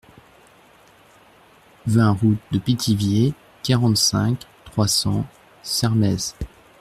vingt route de Pithiviers, quarante-cinq, trois cents, Sermaises